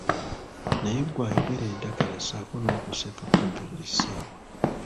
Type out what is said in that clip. Naye ggwe ayogera entakera, ssaako n'okuseka kumpi buli ssaawa.